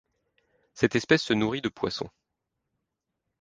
Cette espèce se nourrit de poissons.